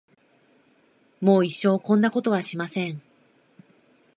もう一生こんなことはしません。